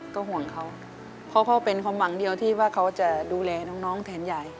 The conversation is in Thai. ก็ห่วงเขาเพราะเขาเป็นความหวังเดียวที่ว่าเขาจะดูแลน้องแทนยาย